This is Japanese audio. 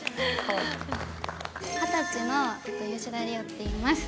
二十歳の吉田莉桜っていいます。